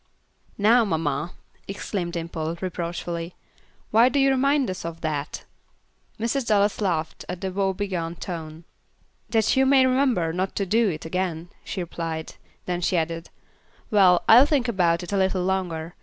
"Now, mamma," exclaimed Dimple, reproachfully, "why do you remind us of that?" Mrs. Dallas laughed at the woe begone tone. "That you may remember not to do it again," she replied; then she added, "Well, I'll think about it a little longer.